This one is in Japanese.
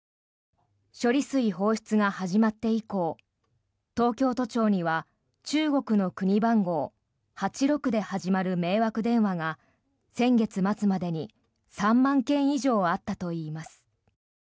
処理水放出が始まって以降東京都庁には中国の国番号８６で始まる迷惑電話が先月末までに３万件以上あったといいます。